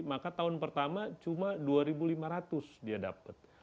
maka tahun pertama cuma dua lima ratus dia dapat